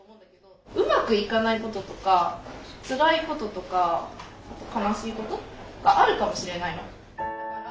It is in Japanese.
うまくいかないこととかつらいこととか悲しいことがあるかもしれないの。